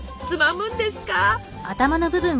つまむんですか？